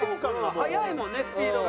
速いもんねスピードが。